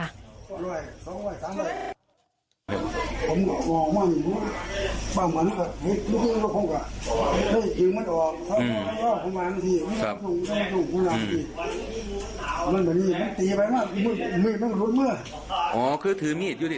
แต่นำเหรียญน่ะตีไปมันมืดมันรุดเหมื่ออ๋อคือถือมีดอยู่ดิ